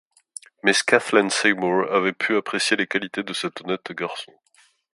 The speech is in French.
Mrs Kethlen Seymour avait pu apprécier les qualités de cet honnête garçon.